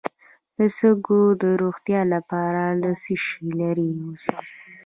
د سږو د روغتیا لپاره له څه شي لرې اوسم؟